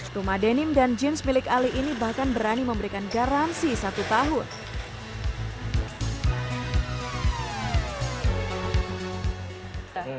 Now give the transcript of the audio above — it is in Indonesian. rumah denim dan jeans milik ali ini bahkan berani memberikan garansi satu tahun